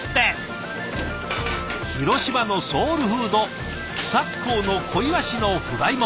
広島のソウルフード草津港の小イワシのフライも。